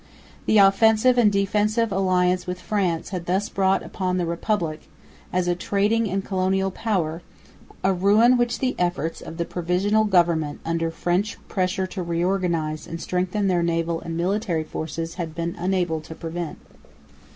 The offensive and defensive alliance with France had thus brought upon the Republic, as a trading and colonial power, a ruin which the efforts of the provisional government under French pressure to re organise and strengthen their naval and military forces had been unable to prevent.